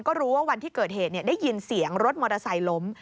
ก็รู้ว่าวันที่เกิดเหตุได้ยินเสียงรถมอเตอร์ไซค์ล้ม